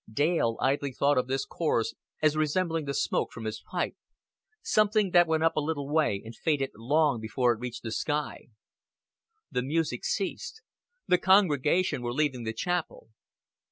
Dale idly thought of this chorus as resembling the smoke from the pipe something that went up a little way and faded long before it reached the sky. The music ceased. The congregation were leaving the chapel.